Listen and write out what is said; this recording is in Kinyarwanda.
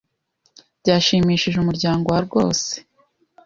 Byashimishije umuryango wa rwose.